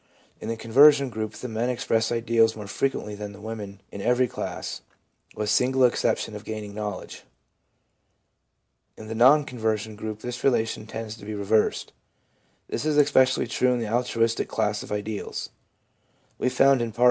In the conversion group the men express ideals more frequently than the women in every class, with the single exception of gaining knowledge. In the non conversion group this relation tends to be reversed. This is especially true in the altruistic class of ideals. We found in Part I.